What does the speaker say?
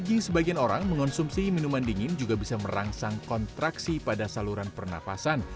bagi sebagian orang mengonsumsi minuman dingin juga bisa merangsang kontraksi pada saluran pernapasan